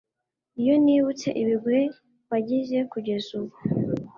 iyo nibutse ibigwi wagize kugeza ubu